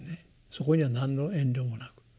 そこには何の遠慮もなく。